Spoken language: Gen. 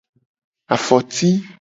Afoti.